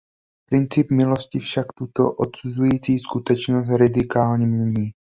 Princip milosti však tuto odsuzující skutečnost radikálně mění.